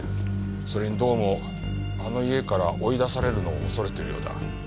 それにどうもあの家から追い出されるのを恐れているようだ。